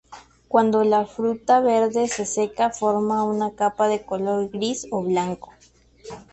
Cuando la fruta verde se seca forma una capa de color gris o blanco.